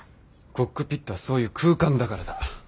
コックピットはそういう空間だからだ。